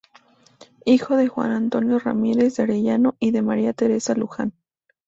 Hijo de Juan Antonio Ramírez de Arellano y de María Teresa Luján.